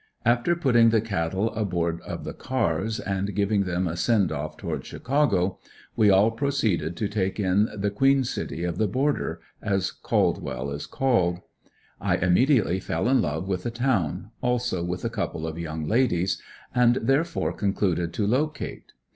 After putting the cattle aboard of the cars, and giving them a send off towards Chicago, we all proceeded to take in the "Queen City of the Border," as Caldwell is called. I immediately fell in love with the town, also with a couple of young ladies, and therefore concluded to locate.